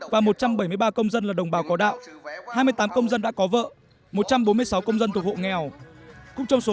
và một trăm bảy mươi ba công dân là đồng bào có đạo hai mươi tám công dân đã có vợ một trăm bốn mươi sáu công dân thuộc hộ nghèo cũng trong số